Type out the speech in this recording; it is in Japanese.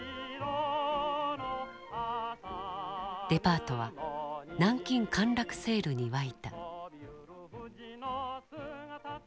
デパートは南京陥落セールに沸いた。